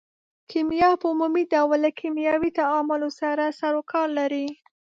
کیمیا په عمومي ډول له کیمیاوي تعاملونو سره سرو کار لري.